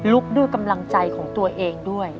ด้วยกำลังใจของตัวเองด้วย